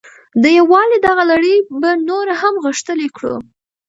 د یووالي دغه لړۍ به نوره هم غښتلې کړو.